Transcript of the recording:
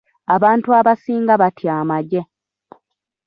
Abantu abasinga batya amagye.